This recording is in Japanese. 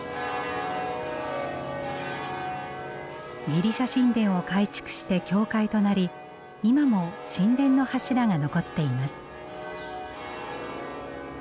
ギリシャ神殿を改築して教会となり今も神殿の柱が残っています。